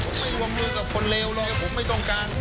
ผมไม่วงมือกับคนเลวเลยผมไม่ต้องการ